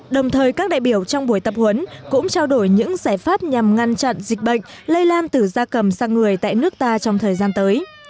đồng thời các đại biểu trong buổi tập huấn cũng trao đổi những giải pháp nhằm ngăn chặn dịch bệnh lây lan từ da cầm sang người tại nước ta trong thời gian tới